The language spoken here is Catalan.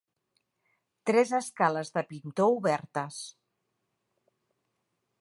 Tres escales de pintor obertes.